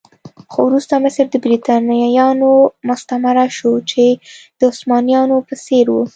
خو وروسته مصر د برېټانویانو مستعمره شو چې د عثمانيانو په څېر و.